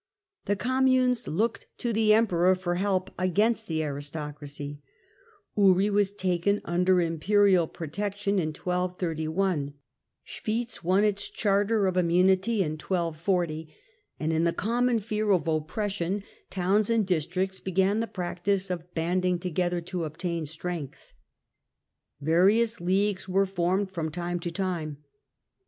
The Communes looked to the Em peror for help against the aristocracy; Uri was taken under Imperial protection in 1231, Schwitz won its RISE OF THE SWISS EEPTJB'^IC , 101 ,, charter of immunity in 1240, and in the common fear of oppression towns and districts began the practice of banding together to obtain strength. Various leagues were formed from time to time.